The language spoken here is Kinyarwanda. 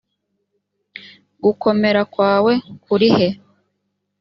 gukomera kwawe kuri he